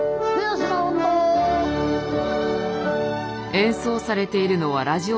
演奏されているのは「ラジオ体操」。